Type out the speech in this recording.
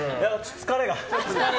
疲れが。